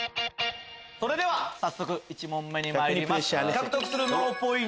それでは早速１問目にまいります。